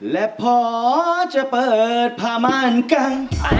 และพอจะเปิดพามารกัง